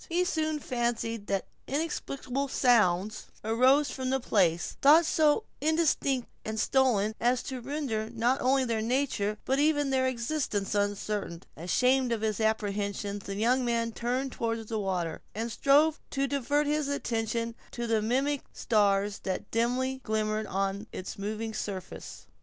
He soon fancied that inexplicable sounds arose from the place, though so indistinct and stolen, as to render not only their nature but even their existence uncertain. Ashamed of his apprehensions, the young man turned toward the water, and strove to divert his attention to the mimic stars that dimly glimmered on its moving surface.